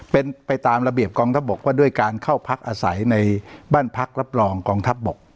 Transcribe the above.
เป็นไปตามระเบียบกองทัพบกว่าด้วยการเข้าพักอาศัยในบ้านพักรับรองกองทัพบก